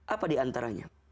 apa di antaranya